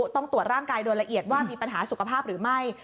ต้องตรวจร่างกายโดยละเอียดว่ามีปัญหาสุขภาพหรือไม่